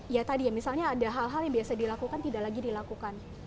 ya tadi ya misalnya ada hal hal yang biasa dilakukan tidak lagi dilakukan